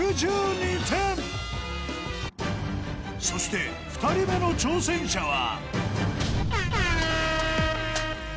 ［そして２人目の挑戦者は］